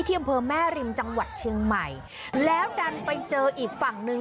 อำเภอแม่ริมจังหวัดเชียงใหม่แล้วดันไปเจออีกฝั่งหนึ่ง